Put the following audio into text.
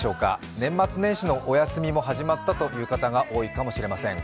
年末年始のお休みも始まったという方が多いかもしれません。